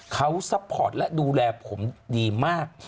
เขาซัพพอร์ตและดูแลผมดีมาก